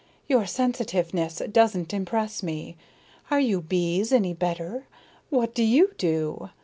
"Your sensitiveness doesn't impress me. Are you bees any better? What do you do?